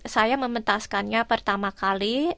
saya mementaskannya pertama kali